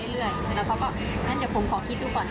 แล้วเขาก็ท่านเจอผมขอคิดดูก่อนครับ